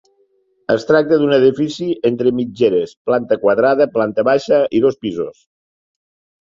Es tracta d'un edifici entre mitgeres, planta quadrada, planta baixa i dos pisos.